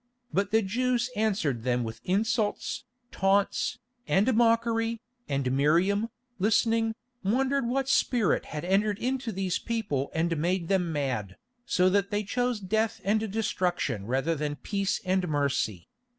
But the Jews answered them with insults, taunts, and mockery, and Miriam, listening, wondered what spirit had entered into these people and made them mad, so that they chose death and destruction rather than peace and mercy.